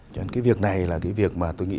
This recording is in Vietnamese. cho nên cái việc này là cái việc mà tôi nghĩ